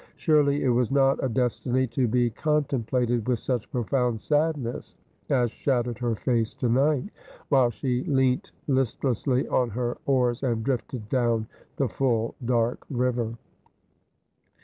Surely it was not a destiny to be contem plated with such profound sadness as shadowed her face to night, while she leant listlessly on her oars and drifted down the full dark river.